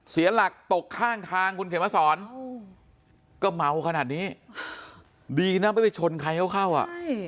เสียหลักตกข้างทางคุณเขียนมาสอนก็เมาขนาดนี้ดีนะไม่ไปชนใครเข้าอ่ะ